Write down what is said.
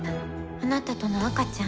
あなたとの赤ちゃん。